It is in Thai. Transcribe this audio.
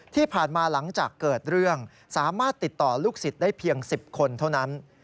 ที่ผ่านมาหลังจากเกิดเรื่องสามารถติดต่อลูกศิษย์ได้เพียง๑๐คนเท่านั้น